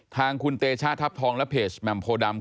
ทางคุณเตชะทัพทองและเพจแหม่มโพดำ